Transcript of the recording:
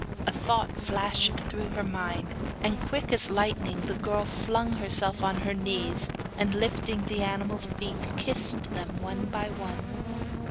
A thought flashed through her mind, and quick as lightning the girl flung herself on her knees, and lifting the animal's feet kissed them one by one.